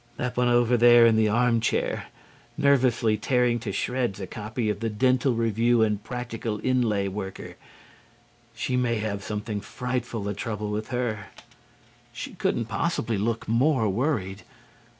That one over in the arm chair, nervously tearing to shreds a copy of "The Dental Review and Practical Inlay Worker." She may have something frightful the trouble with her. She couldn't possibly look more worried.